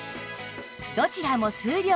どちらも数量限定！